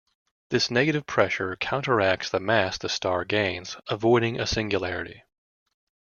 This negative pressure counteracts the mass the star gains, avoiding a singularity.